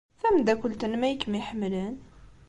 Tameddakelt-nnem ay kem-iḥemmlen.